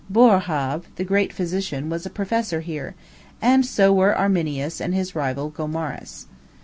Boerhaave, the great physician, was a professor here, and go were Arminius and his rival Gomarus.